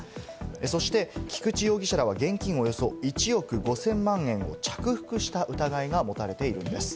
そして菊地容疑者らは現金およそ１億５０００万円を着服した疑いが持たれているんです。